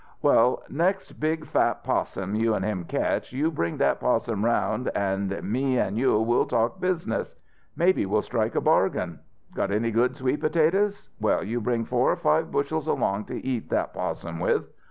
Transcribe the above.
"Well, next big fat 'possum you an' him ketch, you bring that 'possum 'round an' me an' you'll talk business. Maybe we'll strike a bargain. Got any good sweet potatoes? Well, you bring four or five bushels along to eat that 'possum with.